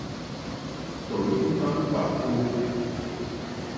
Tɔ̀ímá hvàkó.